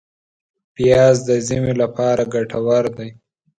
پیاز د ژمي لپاره ګټور دی